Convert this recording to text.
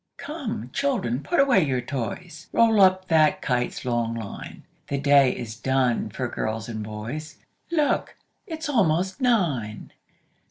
"Come, children, put away your toys; Roll up that kite's long line; The day is done for girls and boys Look, it is almost nine!